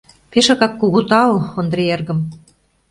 — Пешакак кугу тау, Ондрий эргым.